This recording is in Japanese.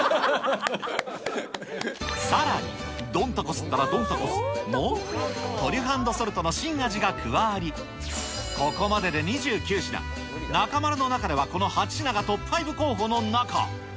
さらにドンタコスったらドンタコスのトリュフ＆ソルトの新味が加わり、ここまでで２９品、中丸の中ではこの８品がトップ５候補の中。